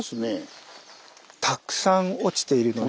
たくさん落ちているので。